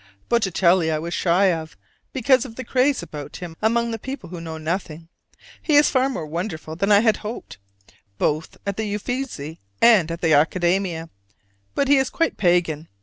Botticelli I was shy of, because of the craze about him among people who know nothing: he is far more wonderful than I had hoped, both at the Uffizi and the Academia: but he is quite pagan.